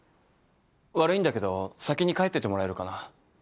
悪いんだけど先に帰っててもらえるかな？